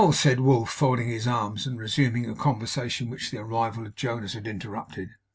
said Wolf, folding his arms and resuming a conversation which the arrival of Jonas had interrupted.